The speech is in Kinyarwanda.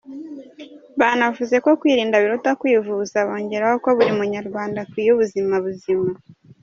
Banavuze ko kwirinda biruta kwivuza, bongera ho ko buri munyarwanda akwiye ubuzima buzima.